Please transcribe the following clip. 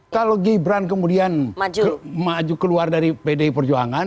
kalau gibran kemudian maju keluar dari pdi perjuangan